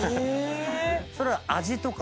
それは。